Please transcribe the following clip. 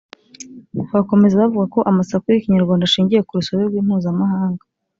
Bakomeza bavuga ko amasaku y’Ikinyarwanda ashingiye ku rusobe rw’impuzamahanga,